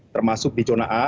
termasuk di zona a